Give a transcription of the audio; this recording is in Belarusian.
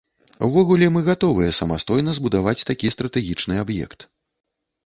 Увогуле, мы гатовыя самастойна збудаваць такі стратэгічны аб'ект.